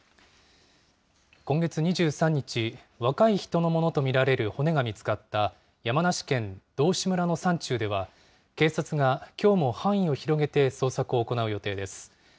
今月２３日、若い人のものと見られる骨が見つかった山梨県道志村の山中では、警察がきょうも範囲を広げて捜索を行う予定です。